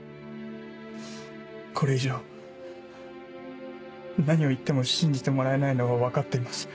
これ以上何を言っても信じてもらえないのは分かっています。